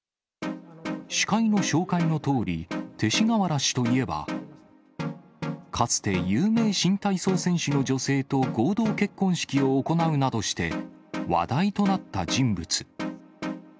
司会の紹介のとおり、勅使河原氏といえば、かつて有名新体操選手の女性と合同結婚式を行うなどして、話題となった人物。